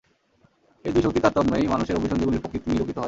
এই দুই শক্তির তারতম্যেই মানুষের অভিসন্ধিগুলির প্রকৃতি নিরূপিত হয়।